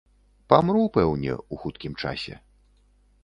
Памру, пэўне, у хуткім часе.